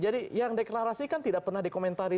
jadi yang deklarasikan tidak pernah dikomentari